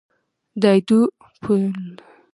د ایدو په لور مارش وکړي.